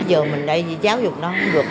giờ mình đây giáo dục nó không được